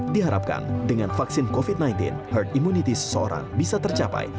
diharapkan dengan vaksin covid sembilan belas herd immunity seseorang bisa tercapai